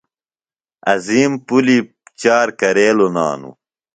عظیم پُلی چار کرے لُنانوۡ؟